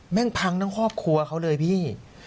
งพังทั้งครอบครัวเขาเลยพี่